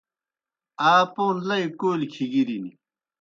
آ پوْن لئی کولیْ کِھگِرِن۔